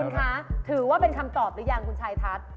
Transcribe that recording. คุณคะถือว่าเป็นคำตอบหรือยังคุณชายทัศน์